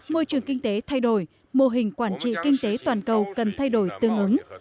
môi trường kinh tế thay đổi mô hình quản trị kinh tế toàn cầu cần thay đổi tương ứng